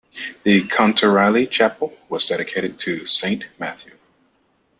The Contarelli Chapel was dedicated to Saint Matthew.